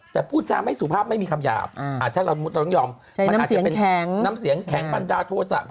ถ้าเราต้องยอมใจน้ำเสียงแข็งน้ำเสียงแข็งปัญญาทั่วสรรค์